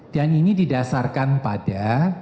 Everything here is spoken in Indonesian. dan ini didasarkan pada